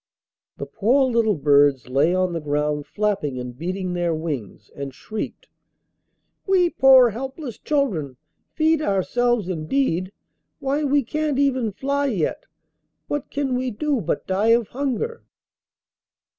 The poor little birds lay on the ground flapping and beating their wings, and shrieked, 'We poor helpless children, feed ourselves indeed! Why, we can't even fly yet; what can we do but die of hunger?